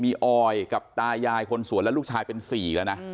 มีเออยกับตายายคนสวนแล้วลูกชายเป็นสี่